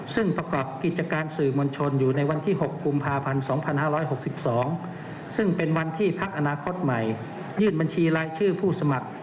ซึ่งประกอบกิจการสื่อมวลชนอยู่ในวันที่๖กุมภาพันธ์๒๕๖๒ซึ่งเป็นวันที่พักอนาคตใหม่ยื่นบัญชีรายชื่อผู้สมัคร